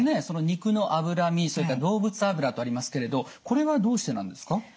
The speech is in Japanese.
その肉の脂身それから動物脂とありますけれどこれはどうしてなんですか？